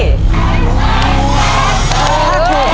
ถ้าถูกท่อนี้นะ